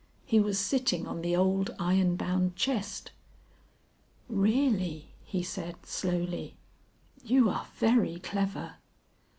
He was sitting on the old iron bound chest. "Really," he said slowly, "you are very clever."